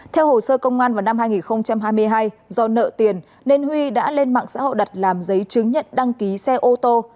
theo hồ sơ công an vào năm hai nghìn hai mươi hai do nợ tiền nên huy đã lên mạng xã hội đặt làm giấy chứng nhận đăng ký xe ô tô